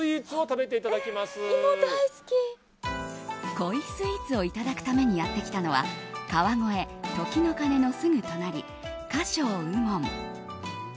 恋スイーツをいただくためにやってきたのは川越、時の鐘のすぐ隣、菓匠右門。